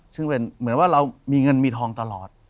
ซึ่งเป็นเหมือนว่าเรามีเงินมีทองตลอด